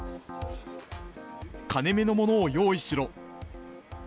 金めのものを用意しろ。